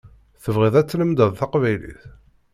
Tebɣiḍ ad tlemded taqbaylit?